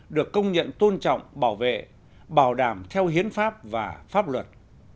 được công nhận tôn trọng bảo vệ bảo đảm theo hiến pháp và pháp luật